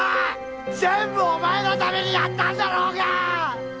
全部お前のためにやったんだろうが！